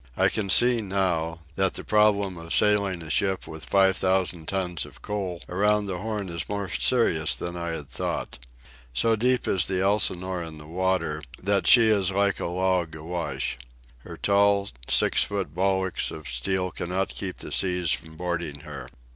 I can see, now, that the problem of sailing a ship with five thousand tons of coal around the Horn is more serious than I had thought. So deep is the Elsinore in the water that she is like a log awash. Her tall, six foot bulwarks of steel cannot keep the seas from boarding her.